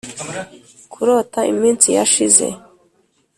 kurota iminsi yashize,